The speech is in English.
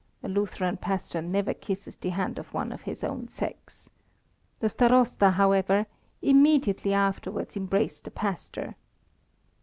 A Lutheran pastor never kisses the hand of one of his own sex. The Starosta, however, immediately afterwards embraced the pastor.